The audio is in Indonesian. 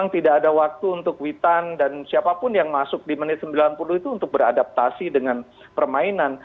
tidak ada waktu untuk witan dan siapapun yang masuk di menit sembilan puluh itu untuk beradaptasi dengan permainan